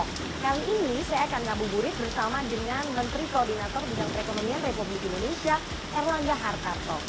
kali ini saya akan ngabuburit bersama dengan menteri koordinator bidang perekonomian republik indonesia erlangga hartarto